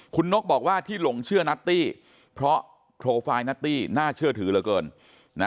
คุณนกบอกว่าที่หลงเชื่อนัตตี้เพราะโปรไฟล์นัตตี้น่าเชื่อถือเหลือเกินนะ